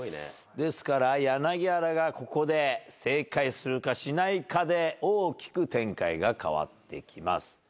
ですから柳原がここで正解するかしないかで大きく展開が変わってきます。